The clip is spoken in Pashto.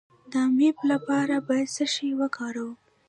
د امیب لپاره باید څه شی وکاروم؟